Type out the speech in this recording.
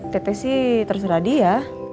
teteh sih terserah dia